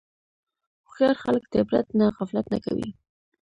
هوښیار خلک د عبرت نه غفلت نه کوي.